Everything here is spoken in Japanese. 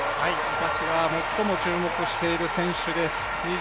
私が最も注目している選手です。